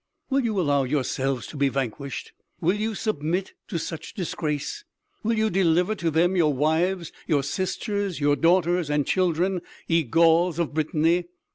"Will you allow yourselves to be vanquished? Will you submit to such disgrace? Will you deliver to them your wives, your sisters, your daughters and children, ye Gauls of Britanny?"